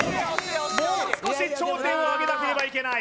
もう少し頂点を上げなければいけない